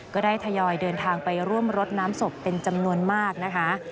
ก็ได้ทยอยเดินทางไปร่วมรดน้ำศพเป็นจำนวนมากนะคะ